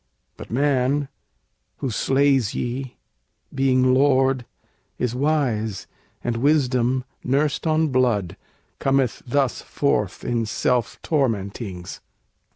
But man, who slays ye being lord is wise, And wisdom, nursed on blood, cometh thus forth In self tormentings!"